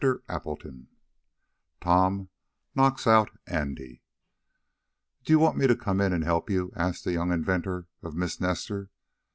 CHAPTER III TOM KNOCKS OUT ANDY "Do you want me to come in and help you?" asked the young inventor, of Miss Nestor.